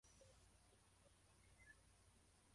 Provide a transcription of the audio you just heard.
Umukinnyi wa tennis wumugore arimo gukubita kamera